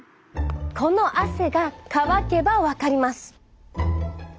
この汗が乾けばわかります！